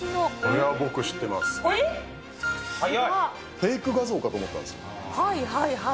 フェイク画像かと思ったんではい、はい、はい。